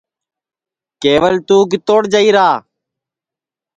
کیول تُو کِتوڑ جائیرا